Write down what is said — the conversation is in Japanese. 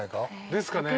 ですかね？